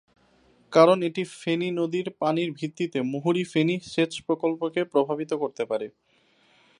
কারণ এটি ফেনী নদীর পানির ভিত্তিতে মুহুরী-ফেনী সেচ প্রকল্পকে প্রভাবিত করতে পারে।